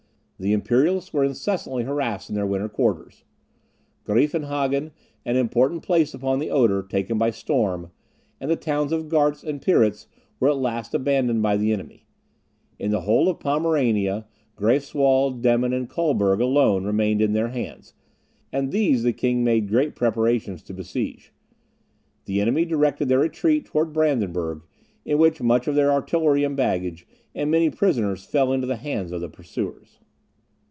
The Imperialists were incessantly harassed in their winter quarters; Greifenhagan, an important place upon the Oder, taken by storm, and the towns of Gartz and Piritz were at last abandoned by the enemy. In the whole of Pomerania, Greifswald, Demmin, and Colberg alone remained in their hands, and these the king made great preparations to besiege. The enemy directed their retreat towards Brandenburg, in which much of their artillery and baggage, and many prisoners fell into the hands of the pursuers.